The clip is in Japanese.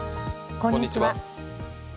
こんにちは。